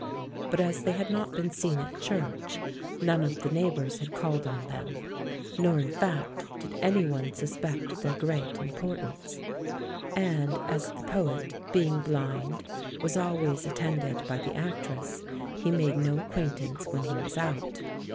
But as they had not been seen at church, none of the neighbours had called on them, nor, in fact, did anyone suspect their great importance; and as the poet, being blind, was always attended by the actress, he made no ac quaintance when he was out.